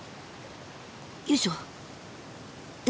よいしょ！